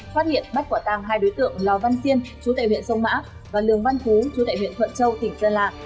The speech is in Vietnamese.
phát hiện bắt quả tàng hai đối tượng lò văn xiên chú tại huyện sông mã và lường văn cú chú tại huyện thuận châu tỉnh sơn lạc